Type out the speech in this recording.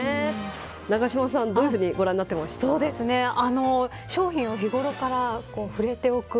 永島さん、どういうふうに商品を日頃から触れておく。